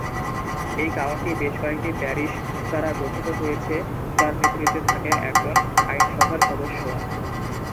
এই কাউন্টি বেশ কয়েকটি প্যারিশ দ্বারা গঠিত হয়েছে, যার নেতৃত্বে থাকেন একজন আইন-সভার সদস্য।